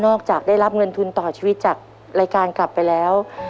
จากได้รับเงินทุนต่อชีวิตจากรายการกลับไปแล้ว